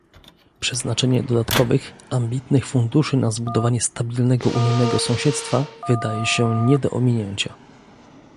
Przeznaczenie dodatkowych, ambitnych funduszy na zbudowanie stabilnego unijnego sąsiedztwa wydaje się nie do ominięcia